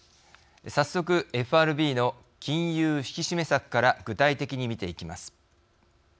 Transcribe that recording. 早速ＦＲＢの金融引き締め策から具体的に見ていきます。